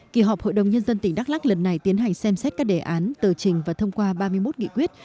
kỳ họp hội đồng nhân dân tỉnh đắk lắc lần này tiến hành xem xét các đề án tờ trình và thông qua ba mươi một nghị quyết